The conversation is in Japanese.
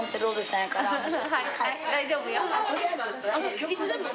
大丈夫よ。